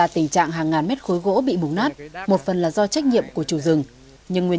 thì trong thời gian hơn hai năm trời thì gỗ nó mục đát hết